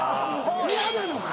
嫌なのか。